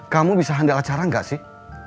kamu bisa handal acara gak sih